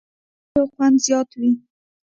د چای څښلو خوند زیات وي